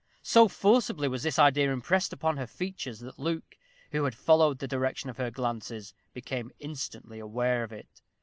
So forcibly was this idea impressed upon her features that Luke, who had followed the direction of her glances, became instantly aware of it.